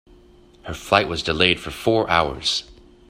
Her flight was delayed for four hours.